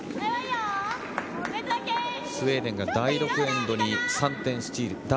スウェーデンが第６エンドに３点スチール。